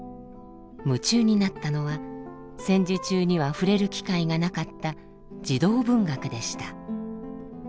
夢中になったのは戦時中には触れる機会がなかった児童文学でした。